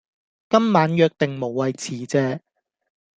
今晚約定無謂辭謝